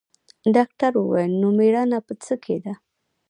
ډاکتر وويل نو مېړانه په څه کښې ده.